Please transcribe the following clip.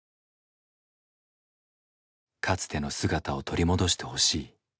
かつての姿を取り戻してほしい。